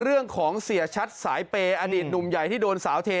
เสียชัดสายเปย์อดีตหนุ่มใหญ่ที่โดนสาวเท